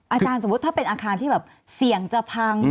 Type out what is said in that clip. อาจารย์สมมุติถ้าเป็นอาคารที่แบบเสี่ยงจะพัง